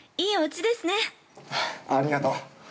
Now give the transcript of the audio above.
◆ありがとう。